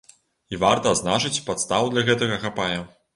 І варта адзначыць, падстаў для гэтага хапае.